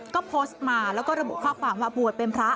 ก็โพสต์มาแล้วก็ระบุข้อความว่าบวชเป็นพระ